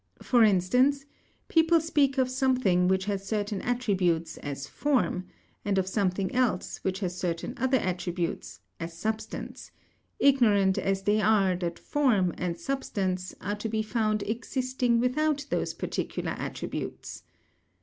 For instance, people speak of something which has certain attributes as form, and of something else which has certain other attributes as substance; ignorant as they are that form and substance are to be found existing without those particular attributes.